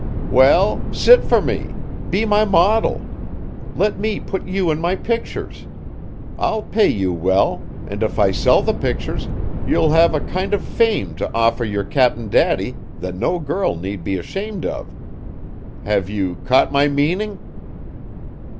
"Well, sit for me; be my model! Let me put you in my pictures. I'll pay you well, and if I sell the pictures, you'll have a kind of fame to offer your Cap'n Daddy that no girl need be ashamed of. Have you caught my meaning?"